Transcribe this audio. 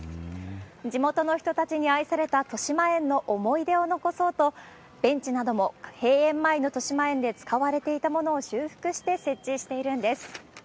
地元の人たちに愛されたとしまえんの思い出を残そうと、ベンチなども閉園前のとしまえんで使われていたものを修復して設置しているんです。